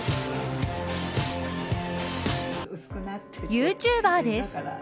ユーチューバーです。